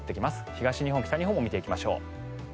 東日本、北日本と見ていきましょう。